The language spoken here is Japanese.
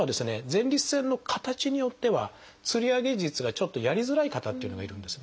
前立腺の形によっては吊り上げ術がちょっとやりづらい方っていうのもいるんですね。